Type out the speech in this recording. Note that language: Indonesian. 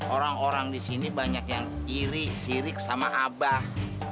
orang orang di sini banyak yang iri sirik sama abah